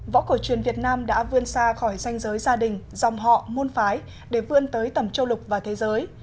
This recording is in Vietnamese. võ cổ truyền việt nam đã vươn xa khỏi danh giới gia đình dòng họ môn phái để vươn tới tầm châu lục và thế giới